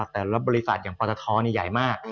แต่บริษัทอย่างพอร์ทท้อใหญ่มาก